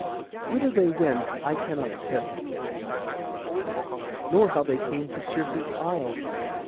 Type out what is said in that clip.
Whither they went I cannot tell, nor how they came to Circe's isle.